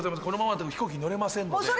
このままだと飛行機乗れませんので。